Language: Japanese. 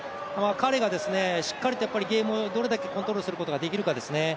彼が、しっかりとゲームをどれだけコントロールすることができるかですね。